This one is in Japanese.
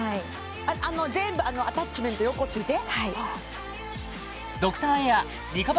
あの全部アタッチメント４個付いて？